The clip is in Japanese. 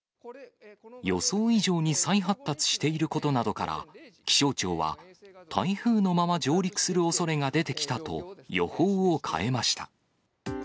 予想以上に再発達していることなどから、気象庁は、台風のまま上陸するおそれが出てきたと、予報を変えました。